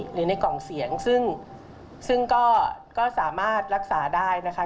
หรือในกล่องเสียงซึ่งก็สามารถรักษาได้นะคะ